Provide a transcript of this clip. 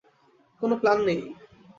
কোন প্লান নেই।